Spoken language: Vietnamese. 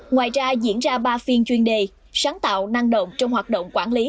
ngoài ra diễn ra ba phiên chuyên đề sáng tạo năng động trong hoạt động quản lý